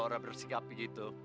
laura bersikap begitu